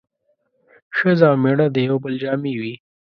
ښځه او مېړه د يو بل جامې وي